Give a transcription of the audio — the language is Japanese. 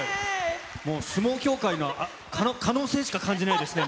相撲協会の可能性しか感じないですね、